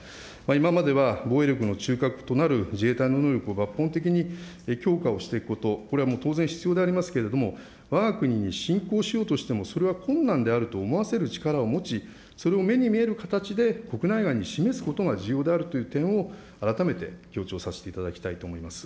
今までは防衛力の中核となる自衛隊の能力を抜本的に強化をしていくこと、これはもう当然必要でありますけれども、わが国に侵攻しようとしてもそれは困難であると思わせる力を持ち、それを目に見える形で国内外に示すことが重要であるという点を、改めて強調させていただきたいと思います。